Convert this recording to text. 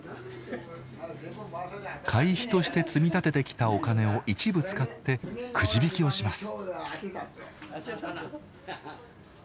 会費として積み立ててきたお金を一部使ってくじ引きをします。